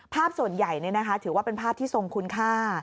ภาพส่วนใหญ่ถือว่าเป็นภาพที่ทรงคุณค่า